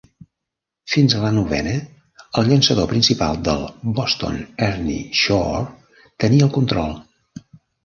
Fins a la novena, el llançador principal del Boston Ernie Shore tenia el control.